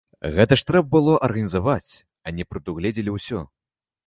Гэта ж трэба было арганізаваць, а не прадугледзелі ўсё.